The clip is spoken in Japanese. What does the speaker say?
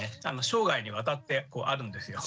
生涯にわたってあるんですよ。